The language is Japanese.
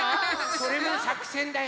それはさくせんだよ。